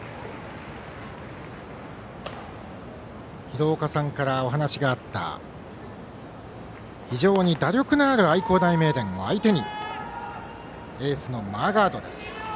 廣岡さんからお話があった非常に打力のある愛工大名電を相手にエースのマーガードです。